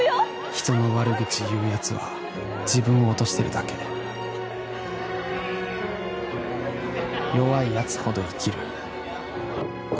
人の悪口言うやつは自分を落としてるだけ弱いやつほどイキる